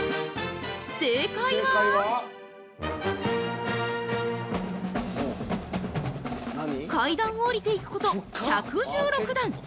◆正解は階段を下りていくこと１１６段。